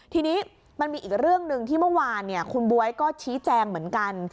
ทีนี้มันมีอีกเรื่องหนึ่งที่เมื่อวานคุณบ๊วยก็ชี้แจงเหมือนกัน